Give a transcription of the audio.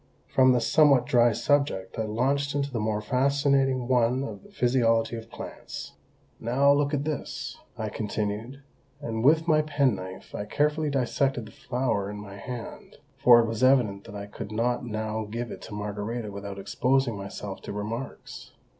From this somewhat dry subject I launched into the more fascinating one of the physiology of plants. "Now, look at this," I continued, and with my penknife I carefully dissected the flower in my hand, for it was evident that I could not now give it to Margarita without exposing myself to remarks.